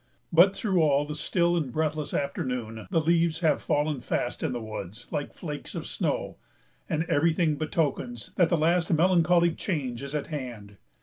But through all the still and breathless afternoon the leaves have fallen fast in the woods, like flakes of snow; and every thing betokens that the last melancholy change is at hand.